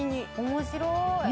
面白い！